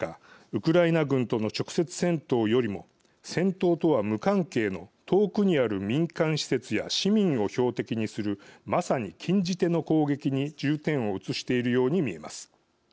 ウクライナ軍との直接戦闘よりも戦闘とは無関係の遠くにある民間施設や市民を標的にするまさに禁じ手の攻撃に重点を移しているように見えます。